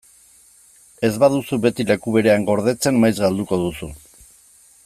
Ez baduzu beti leku berean gordetzen, maiz galduko duzu.